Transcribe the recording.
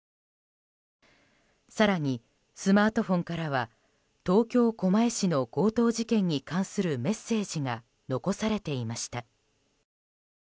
更に、スマートフォンからは東京・狛江市の強盗事件に関するメッセージが残されていました。